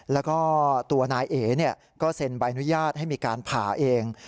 แล้วก็ตัวนายเอ๋ก็เซ็นใบอนุญาตให้มีการผ่าเอง